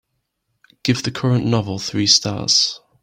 Give the current novel three stars